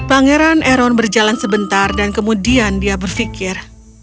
pangeran eron berjalan sebentar dan kemudian dia berpikir